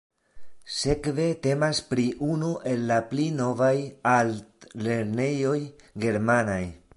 Sekve temas pri unu el la pli novaj altlernejoj germanaj.